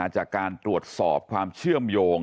จากการตรวจสอบความเชื่อมโยง